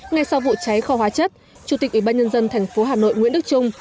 ngay sau vụ cháy kho hóa chất chủ tịch ủy ban nhân dân tp hà nội nguyễn đức trung